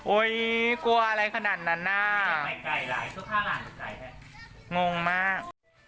โอ้ยกลัวอะไรขนาดนั้นน่ะงงมาก